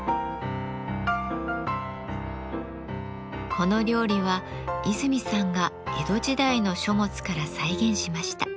この料理は泉さんが江戸時代の書物から再現しました。